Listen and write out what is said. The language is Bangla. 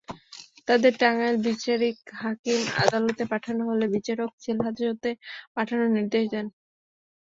তাঁদের টাঙ্গাইল বিচারিক হাকিম আদালতে পাঠানো হলে বিচারক জেলহাজতে পাঠানোর নির্দেশ দেন।